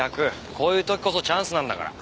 こういう時こそチャンスなんだから。